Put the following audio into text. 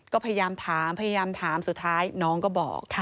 ก็พยายามถามพยายามถามสุดท้ายน้องก็บอก